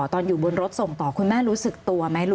ตอนอยู่บนรถส่งต่อคุณแม่รู้สึกตัวไหม